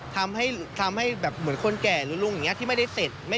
ทำให้เหมือนคนแก่ลุงที่ไม่ได้เสร็จ